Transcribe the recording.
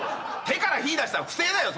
手から火出したら不正だよ！